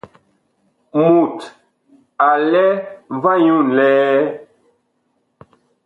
Mut a lɛ va nyu nlɛɛ?